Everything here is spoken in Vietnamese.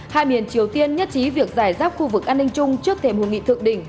hai miền triều tiên nhất trí việc giải giáp khu vực an ninh chung trước thềm hội nghị thượng đỉnh